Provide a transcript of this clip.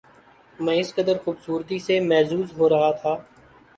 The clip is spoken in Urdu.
میں اس قدر خوبصورتی سے محظوظ ہو رہا تھا